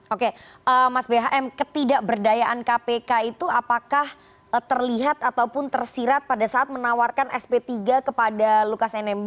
oke mas bhm ketidakberdayaan kpk itu apakah terlihat ataupun tersirat pada saat menawarkan sp tiga kepada lukas nmb